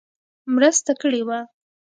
مرسته کړې وه.